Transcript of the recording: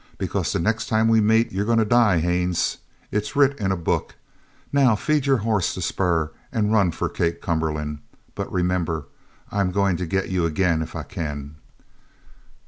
Because the next time we meet you're goin' to die, Haines. It's writ in a book. Now feed your hoss the spur and run for Kate Cumberland. But remember I'm goin' to get you again if I can."